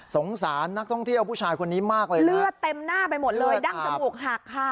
สงสารนักท่องเที่ยวผู้ชายคนนี้มากเลยเลือดเต็มหน้าไปหมดเลยดั้งจมูกหักค่ะ